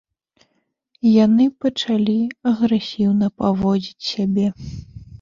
Яны пачалі агрэсіўна паводзіць сябе.